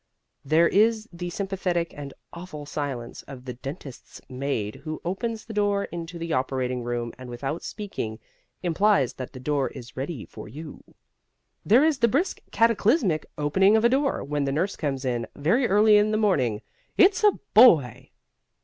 There is the sympathetic and awful silence of the dentist's maid who opens the door into the operating room and, without speaking, implies that the doctor is ready for you. There is the brisk cataclysmic opening of a door when the nurse comes in, very early in the morning "It's a boy!"